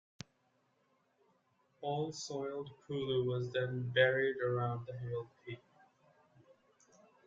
All soiled pulu was then buried around the hale pea.